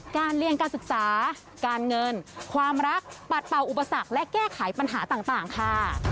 เรียนการศึกษาการเงินความรักปัดเป่าอุปสรรคและแก้ไขปัญหาต่างค่ะ